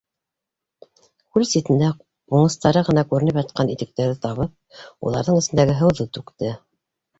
Күл ситендә ҡуныстары ғына күренеп ятҡан итектәрҙе табып, уларҙың эсендәге һыуҙы түкте.